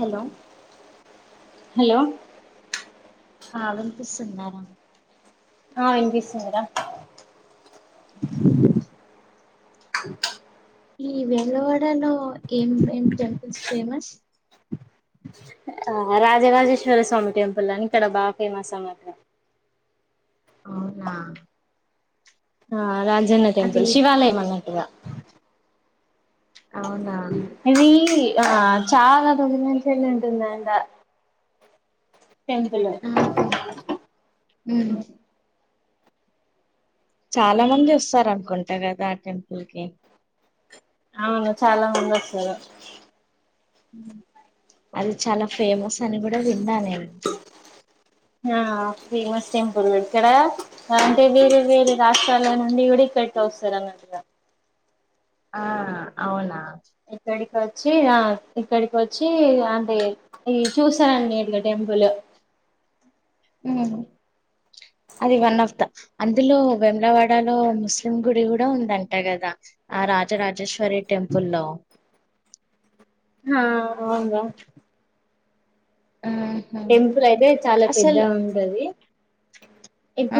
Hello hello ఆ వినిపిస్తుందర ఆ వినిపిస్తుంది రా అ ఈ వేములవాడ లో ఏం ఏం టెంపుల్స్ ఫేమస్ ఆ రాజరాజేశ్వర స్వామి టెంపుల్ అని ఇక్కడ బాగా ఫేమస్ అన్నమాట అవునా ఆ రాజన్న అది టెంపుల్ శివాలయం అన్నట్టిగా అవునా ఇది ఆ చాలా రోజు ల నుంచేలి ఉంటుందంట టెంపులు ఆహా ఉ చాలా మంది వస్తారు అనుకుంటా కదా ఆ టెంపుల్ కి అవును చాలా మంది వస్తారు అది చాలా ఫేమస్ అని కూడా విన్నా నేను ఆ ఫేమస్ టెంపుల్ ఇక్కడ అంటే వేరే వేరే రాష్ట్రాల నుండి కూడా ఇక్కడికి వస్తారు అన్నట్గా ఆ అవునా ఇక్కడికి వచ్చి ఆ ఇక్కడికి వచ్చి అంటే అది చూసానండి ఇకడా టెంపుల్ ఉ అది వన్ ఆఫ్ దా అందులో వేమలవాడలో ముస్లిం గుడి కూడా ఉందంట కదా ఆ రాజరాజేశ్వరి టెంపుల్ లో హ ఆ వుందా ఉ టెంపుల్ అయితే చాలా పెద్ద ఉంటది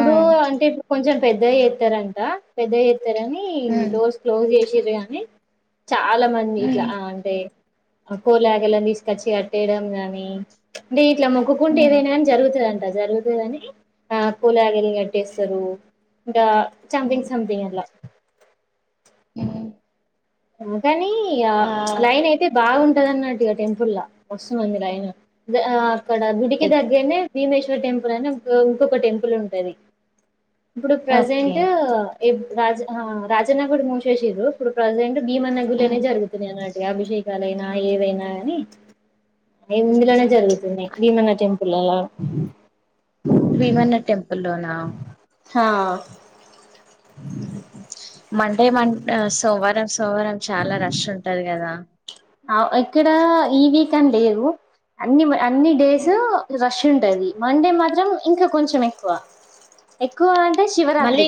ఆ అంటే ఇప్ కొంచెం పెద్దగా చేస్తారంట పెద్దగా చేశారని ఉమ్ డోర్స్ క్లోజ్ చేసిర్రు గాని చాలా మంది ఇట్లా ఉమ్ ఆ అంటే కోలాగని తీసుకొచ్చి కట్టేయడం గాని అంటే ఇట్లా మొక్కుకుంటే ఉమ్ ఉమ్ ఏదైనా జరుగుతుదంట జరుగుతుందని ఆ కోలాగిని కట్టేస్తారు ఇంకా ఉమ్ చంపిగ్ సంపిగ్ ఇలా ఉ కాని లైన్ అయితే బాగుంటది అన్నట్టుక టెంపుల్లా మస్తుమంది లైన్ అక్కడ గుడికి ఎగ్ దేగ్గర్నే భీమేశ్వర్ టెంపుల్ అని ఇంకొక టెంపుల్ ఉంటది ఇప్పుడు ఓకే ప్రజెంట్ రాజ రాజనగడు మూసేసారు ఇప్పుడు ప్రజెంట్ భీమాన్న గుడిలోనే ఉమ్, జరుగుతుంది అ అభిషేకలుైనా ఏవైనా గాని ఇందులోనే జరుగుతున్నాయి భీమన్న టెంపుల్లో భీమన్న టెంపుల్ లోనా హా మండే మ సోమవారం సోమవారం చాలా రష్ ఉంటది కదా ఆక్కడ ఈ వీక్ అనీ లేదు అన్ని అన్ని డేస్ ఉమ్. రష్ ఉంటది మండే మాత్రం ఇంకా కొంచెం ఎక్కువ ఎక్కువ అంటే శివరాత్రి మళ్ళీ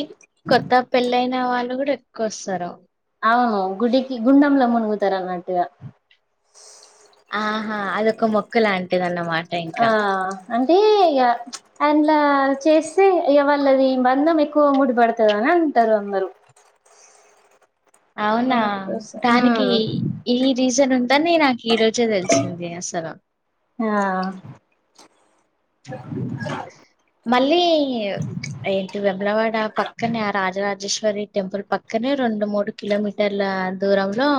కొత్త పెళ్ళయిన వాళ్ళు కూడా ఎక్కువ వస్తారు అవును గుడికి గుండంలొ మునుగుతరు అన్నట్టుగా ఆహా అదొక మొక్కు లాంటిదన్నమాట ఆ అంటే ఇక అండ్లా చేస్తే ఇగ వాళ్ళది బంధం ఎక్కువ ముడిపడుతుంది అని అంటారు అందరు అవునా దానికి ఉమ్ ఈ రీజన్ ఉందని నాకు ఈ రోజే తెలిసింది అసలు ఆ మళ్ళీ ఏంటి వేమ్లవాడ పక్కనే ఆ రాజరాజేశ్వరి టెంపుల్ పక్కనే రెండు మూడు కిలోమీటర్ల దూరంలో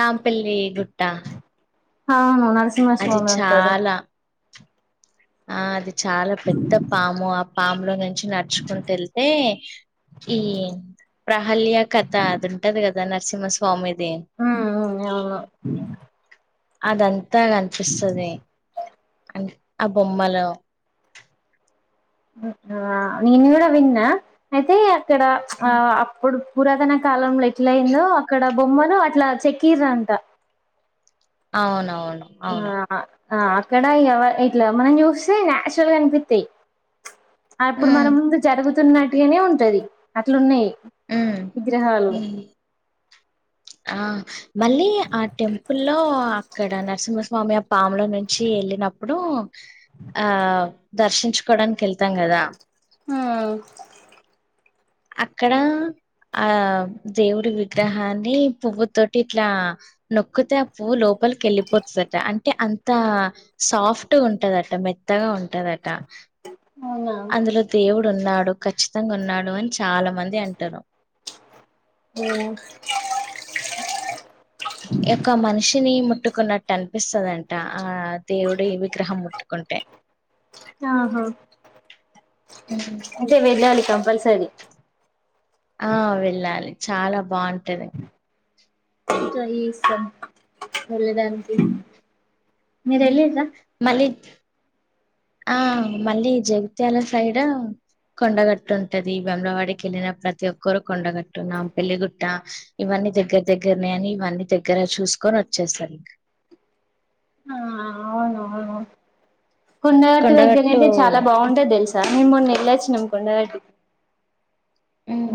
నాంపల్లి గుట్ట అవును అది నరసింహస్వామి అంటారు చాలా ఆ అది చాలా పెద్ద పాము ఆ పాములో నుంచి నడుచుకుంటూ వెళ్తే ఈ ప్రహల్య కథ అదింటది కదా నరసింహస్వామిది హా ఆ అవును అదంతా కనిపిస్తది అ బొమ్మలో ఆ నేను కూడా విన్నా అయితే అక్కడ ఆ అప్పుడు పురాతన కాలంలో ఎట్లయిందో అక్కడ బొమ్మలు అట్లా చెకీర్రంట అవునవును అవును ఆ అక్కడ ఎవ ఇట్ల మనం చూస్తే నాచురల్గ అనిపిస్తాయి అప్పుడు మన ఉమ్ ముందు జరుగుతున్నటుగానే ఉంటది అట్లు ఉన్నాయి ఉ హు ఆ మళ్ళీ ఆ టెంపుల్లో అక్కడ నరసింహస్వామి ఆ పాముల నుంచి వెళ్ళినప్పుడు ఆ దర్శించుకోడానికి వెళ్తాం కదా హ అక్కడ ఆ దేవుడి విగ్రహాన్ని పువ్వు తోటి ఇట్లా నొక్కితే ఆ పువవు లోపలికి వెళ్ళిపోతుందట అంటే అంతా సాఫ్ట్గా ఉంటదట మెత్తగా ఉంటదట అవునా ఇందులో దేవుడు ఉన్నాడు ఖచ్చితంగా ఉన్నాడు అని చాలా మంది అంటరు ఉ యొక్క మనిషిని ముట్టుకున్నట్టు అనిపిస్తదంట ఆ దేవుడీ ఈ విగ్రహం ముట్టుకుంటే ఆహా హ్మ్. అంటే వెళ్ళాలి కంపల్సరీ ఆ వెళ్ళాలి చాలా బాగుంటది ఇగ మీఇస్తాం వెళ్ళడానికి మీరు వెళ్ళిర్రా మళ్ళీ ఆ మళ్ళీ జగిత్యాల సైడ్ కొండగట్టుంటది వేమలవాడికి వెళ్ళిన ప్రతి ఒక్కరు కొండగట్టు న్నాంపెళ్లిగుట్ట ఇవన్నీ దగ్గర దగ్గరనే అని ఇవన్నీ దగ్గరగా చూసుకొని వచ్చేస్తారు ఇంకా ఆ అవును అవును కొండగట్టి దగ్గర కొండగట్టు అయితే చాలా బాగుంటది తెలుసా మేము మొన్నేళ్లొచ్చినాం కొండగట్టు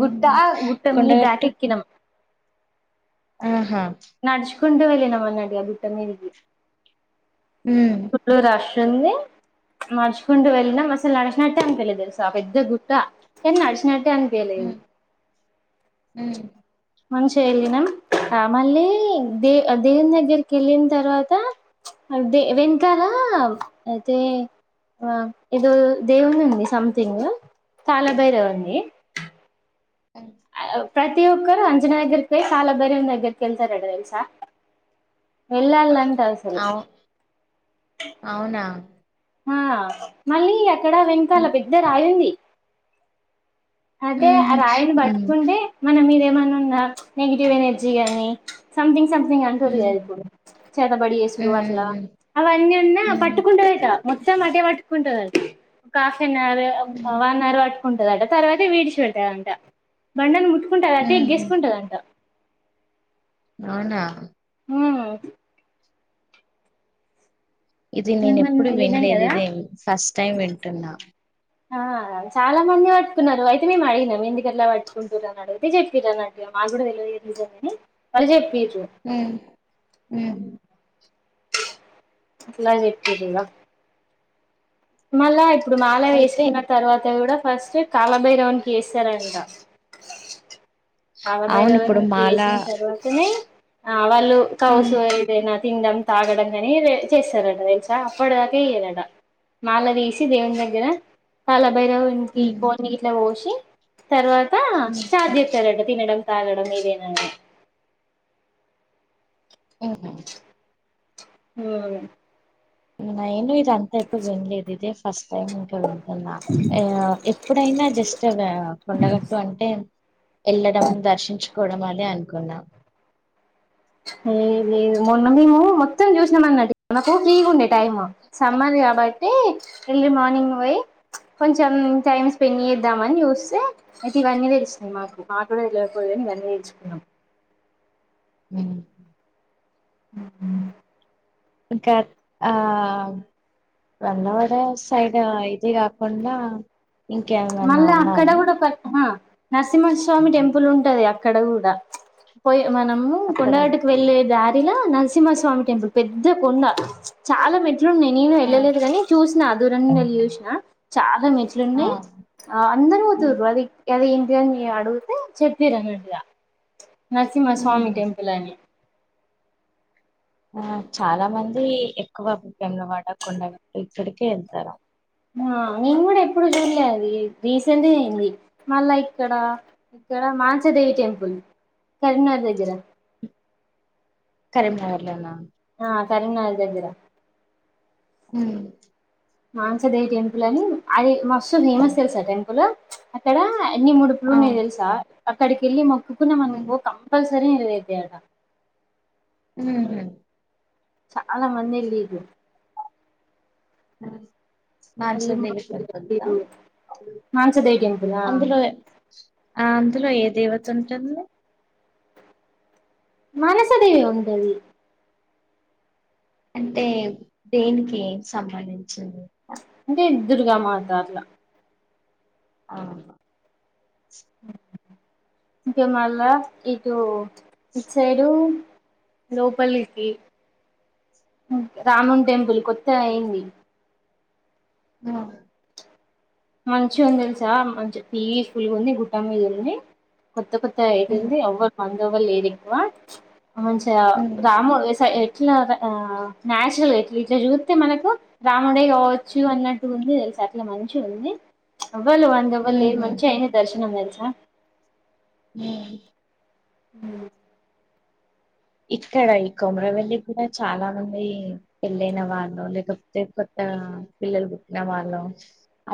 గుట్టా గుట్ట కొండగట్టు మీదాదాకేక్కినం ఆహా నడుచుకుంటూ వెళ్ళనమ్మ అన్నట్టు ఇగ గుట్ట మీదకి ఊ ఫుల్ రషుంది నడుచుకుంటూ వెళ్ళినం అసలు నడచినట్టే ఉండదు తెలుస ఆ పెద్ద గుట్ట ఎం నడుచినట్టే ఉండదు లేదు మ్మ్ మ్మ్ మనం చేయలేమా మళ్ళీ దే దేవుని దగ్గరికి వెళ్ళిన తర్వాత అదే వెనకాల అయితే ఆ ఎదో దేవునిదుంది సంథింగ్ కాలాభైరునిది [unintelligible] ప్రతి ఒక్కరు అంజనేయుని దగ్గరకి పోయి కాలభైరవుడి దగ్గరకి వెళ్తారట దేల్సా వెళ్ళాలంట అస్ అవు అవునా హా మళ్ళీ అక్కడా వెనకాల పెద్ద రాయుంది అయితే మ్మ్ ఆ రాయిని హ్మ్ మ్మ్ పట్టుకుంటే మన మీద ఏమైన్నా ఉన్న నెగిటివ్ ఎనర్జీ గాని సంతింగ్ సంతింగ్ అంటూరు గా మ్మ్ ఇప్పుడు చేతబడి చేసుడు అట్లా అవన్నీ ఉన్న పట్టు మ్మ్ ట్ పట్కుంటదట మొత్తం అటే పట్టుకుంటదట ఒక హాఫ్అన్ అవర్ మ్మ్ వన్ అవర్ అటు ఉంటదంట తర్వాత విడిచి పెడతాదట బండను ముట్టుకుంటదట మ్మ్ మ్మ్ గిస్సుకుంటదంట అవున ఉమ్ ఇది నేన మనం ఎప్పుడు వెళ్ళినాం వినలేదు కదా ఇదే ఫస్ట్ టైం వింటున్నా ఆ చాలా మంది పట్టుకున్నారు అయితే మేము అడిగినం ఎందుకలా పట్టుకుంటుారు అని అడిగితే చెప్పిరు అన్నట్ మాది కూడా తెలవదు ఈ నిజం గానీ వాళ్ళ చెప్పిర్రి ఉమ్ ఉమ్ ఇట్ల అని చెప్పిరిగ్గ మళ్ళా ఇప్పుడు మాల అయితే వేసుకున్నాట్ తర్వాత కూడా ఫస్ట్ కాలభైరవునికి వేస్తారంట అవును కాలభైరవు ఇప్పుడు నికి మాల వేసిన తర్వాతనే ఆ వాళ్ళు ఉమ్ కౌసు ఏదైనా తినడం తాగడం కానీ ఏడ చేశారట తెలుసా అప్పటిదాకా ఇ వెయ్యరట మాల వేసి దేవుని దగ్గర తళ్ళ భైరవ ఇకి ఉమ్ కోని ఇట్లా పోసి తర్వాత ఉమ్ స్టార్ట్ చేస్తారట తినడం తాగడం ఇదేనాంట ఓహా హ నేను ఇద అంతా ఎప్పుడు వినలేదు ఇదే ఫస్ట్ టైమ్ ఇంకా వితుున్నా ఇప్పుడైనా జస్ట్ కొండగట్టు అంటే వెళ్ళడం దర్శించుకోవడం అని అనుకున్నా లే లేదు మొన్న మేము మొత్తం చూసినాం అన్నట్టు మాకు ఫ్రీగా ఉండే టైం సమ్మర్ కాబట్టి ఎర్లీ మార్నింగ్ పోయి కొంచెం టైం స్పెండ్ చేద్దామని చూస్తే అయితే ఇవన్నీ తెల్సినీ మాకు మా కూడా తెలవకపోదు ఇవన్నీ దేల్స్కునామ్ ఉ ఉహు ఇంకా ఆ వెంగవాడ సైడ్ ఐటీ గాకుండా మల్లా అక్కడ కూడా పత్తమ నరసింహస్వామి టెంపుల్ ఉంటది అక్కడ కూడా పోయి మనము అక్కడ కొండగటుకి వెళ్లేే దారిలో నరసింహస్వామి టెంపుల్ పెద్ద కొండ చాలా మెట్లు ఉన్నాయి. నేను ఆ వెళ్ళలేదు కాని చూసినా దూరం నుండి వెళ్ళి చూసిన చాలా మెట్లు ఆ ఉన్నాయి. ఆ అందను ఉమ్ పోతుర్రు అది అది ఏంటిది అని మే అడుగుతే చెప్పిరాన్నట్టు గా నరసింహ స్వామి ఉహు టెంపల్ అని ఆ చాలా మంది ఎక్కువ పేల వాడ కొండలకి ఇక్కడికే వెళ్తారు. ఆ నేను కూడా ఎప్పుడు చూడలే అది రీసెంట్ అయింది మళ్ళా ఇక్కడ ఇక్కడ మాచదేవి టెంపుల్ కరీంనగర్ దగ్గర కరీంనగర్లోన ఆ కరీంనగర్ దగ్గర ఉ మానసదేవి టెంపుల్ అని అది మొస్తు ఫేమస్ తెలుస టెంపుల్ అక్కడ ఎన్ని ముడుపుల్ ఎట్లున్నై అవును తెలుసా అక్కడికెళ్ళి మొక్కుకున్న మనుకో కంపల్సరీ విడుదలఐతైయంత హ చాలా మంది ఎల్లిర్రు. [inaudible] వెళ్ళి నాచెవి మొక్కులు పట్టుకుంటా. పెట్టిర్రు మాంసదేవి టెంపుల్ ఆ అందులో వే ఆ అందులో ఏ దేవత ఉంటుంది? మనసదవి ఉంటుంది. అంటే దేనికి ఏం సంబంధించింది. అంటే దుర్గా మాత అట్లా అవును ఇంకా మళ్ళా ఇటు సైడు లోపలికి రామన్ టెంపుల్ కొత్తగా అయ్యింది. బ మంచిగా ఉంది తెలుసా? మంచి పీస్ పుల్గా ఉంది గుట్ట మీద ఉండి. కొత్త కొత్త ఉమ్ అయ్యింది ఎవరు మందెవరూ లేరు ఎక్కువ. ఓం ఛాయ్. [unintelligible] ఉహు రాము ఏ స న్యాచురల్ గా ఇట్లా చూస్తే మనకు రాముడే కావచ్చు వచ్చు అన్నట్టు ఉంది తెలిసా అట్లా మంచిగా ఉంది. ఎవ్వల్ వంద ఎవ్వల్ ఉమ్ లేరు మంచిగా అయ్యింది దర్శనం తెలుసా? ఉ ఉ ఇక్కడ ఈ కొమరవెల్లి కూడా చాలా మంది. పెళ్ళైన వాళ్ళు లేకపోతే, కొత్తగా పిల్లలు పుట్టిన వాళ్ళో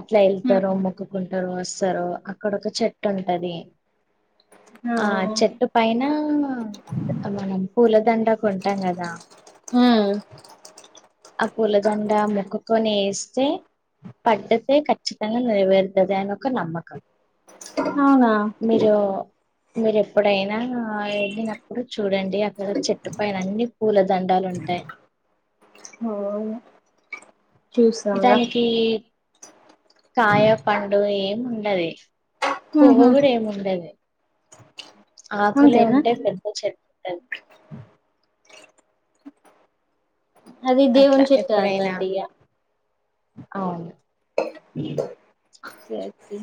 అట్లా వెళ్తారు మొక్కుకుంటారు. వస్తారు, అక్కడ ఒక చెట్టు ఉంటది. ఆ చెట్టు పైన మనం పూలదండ కొంటాం కదా? ఆ ఆ పూలదొండ మొక్కకొని వేస్తే పడితే ఖచ్చితంగా నెరవేరుతుంది అని ఒక నమ్మకం. అవునా మీరు ఎప్పుడైనా వెళ్ళినప్పుడు చూడండి అక్కడ చెట్టు పైన అన్నీ పూల దండాలు ఉంటాయి. ఓయ్ దానికి కాయ, పండు ఏముండదు. పువ్వు ఉహు కూడా ఏముండదు. ఆకులే అంతేనా ఉంటాయి. ఒక పెద్ద చెట్టు ఉంటది అది అట్లా దేవుని చెట్టు ఎప్పుడైనా, అన్నట్టు అవును. ఓకే